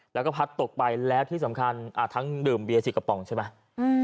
แล้วก็พัดตกไปแล้วที่สำคัญทั้งดื่มเบีย๑๐กระป๋องใช่ไหม